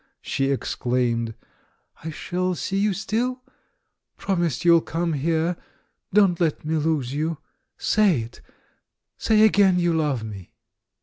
she exclaimed. "I shall see you still? Promise you'll come here — don't let me lose you! Say it! Say again you love me!"